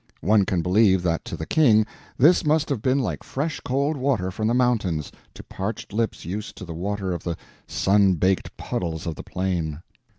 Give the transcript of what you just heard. One can believe that to the King this must have been like fresh cold water from the mountains to parched lips used to the water of the sun baked puddles of the plain.